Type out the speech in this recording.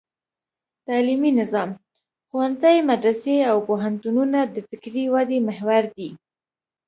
تعلیمي نظام: ښوونځي، مدرسې او پوهنتونونه د فکري ودې محور دي.